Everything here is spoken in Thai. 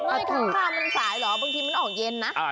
ไม่ข้างทางมันสายเหรอบางทีมันออกเย็นนะ